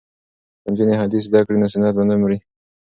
که نجونې حدیث زده کړي نو سنت به نه مري.